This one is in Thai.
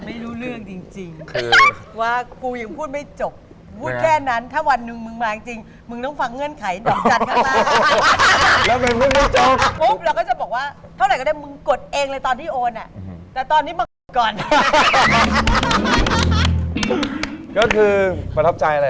ไม่รู้เรื่องจริง